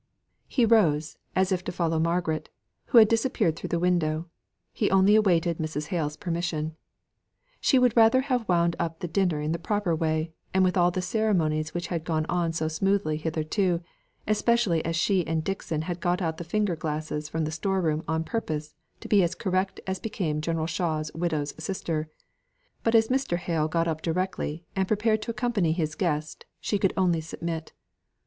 He rose, as if to follow Margaret, who had disappeared through the window: he only awaited Mrs. Hale's permission. She would rather have wound up the dinner in the proper way, and with all the ceremonies which had gone on so smoothly hitherto, especially as she and Dixon had got out the finger glasses from the store room on purpose to be as correct as became General Shaw's widow's sister; but as Mr. Hale got up directly, and prepared to accompany his guest, she could only submit.